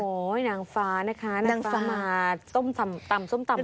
โอ้โหนางฟ้านะคะนางฟ้ามาต้มส้มตำ